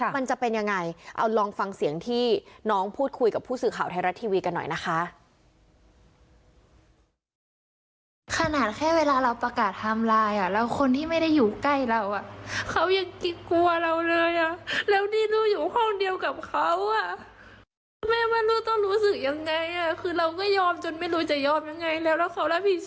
มันจะเป็นยังไงเอาลองฟังเสียงที่น้องพูดคุยกับผู้สื่อข่าวไทยรัฐทีวีกันหน่อยนะคะ